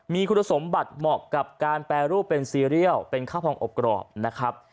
มีคุณสมบัติเหมาะกับการแปรรูปเป็นซีเรียลเป็นข้าวพองอบกรอบนะครับ